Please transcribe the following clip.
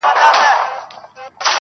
كوټه ښېراوي هر ماښام كومه,